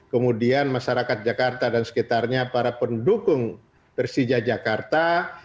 kemudian masyarakat jakarta dan sekitarnya para pendukung persija jakarta